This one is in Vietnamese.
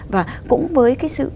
và cũng với cái sự